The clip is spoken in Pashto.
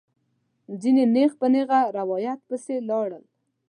ځینې نېغ په نېغه روایت پسې لاړل.